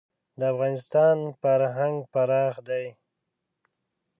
د افغانستان فرهنګ پراخ دی.